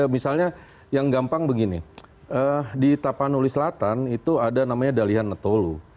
misalnya yang gampang begini di tapanuli selatan itu ada namanya dalihan netolu